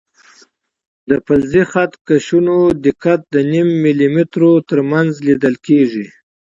د فلزي خط کشونو دقت د نیم ملي مترو تر منځ لیدل کېږي.